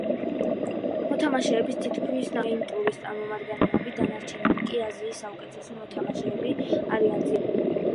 მოთამაშეების თითქმის ნახევარს წარმოადგენენ მეინ-ტურის წარმომადგენლები, დანარჩენები კი აზიის საუკეთესო მოთამაშეები არიან, ძირითადად ტაილანდიდან.